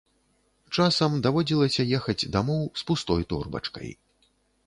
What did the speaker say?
Часам даводзілася ехаць дамоў з пустой торбачкай.